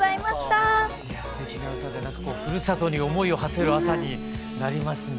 いやすてきな歌でなんかふるさとに思いをはせる朝になりますね。